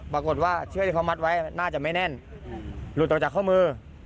ปรากฏว่าเชือกที่เขามัดไว้น่าจะไม่แน่นหลุดออกจากข้อมือ